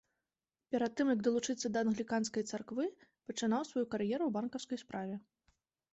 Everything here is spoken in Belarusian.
Перад тым, як далучыцца да англіканскай царквы, пачынаў сваю кар'еру ў банкаўскай справе.